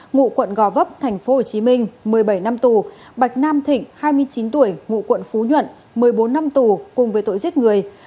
ngụ quận gò vấp tp hcm một mươi bảy năm tù bạch nam thịnh hai mươi chín tuổi ngụ quận phú nhuận một mươi bốn năm tù cùng với tội giết người